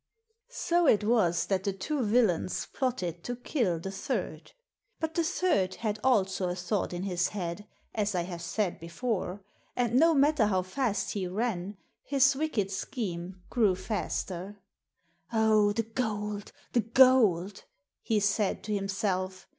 So it was that the two villains plotted to kill the third. But the third had also a thought in his head, as I have said before, and no matter how fast he ran, his wicked scheme grew faster. " Oh, the gold, the gold," he said to himself.